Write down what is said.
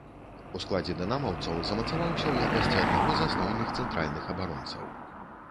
У складзе дынамаўцаў замацаваўся ў якасці аднаго з асноўных цэнтральных абаронцаў.